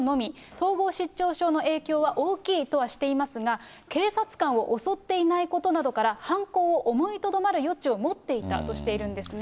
統合失調症の影響は大きいとはしていますが、警察官を襲っていないことなどから、犯行を思いとどまる余地を持っていたとしているんですね。